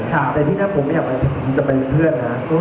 เพราะฉะนั้นไม่อยากไปเพื่อน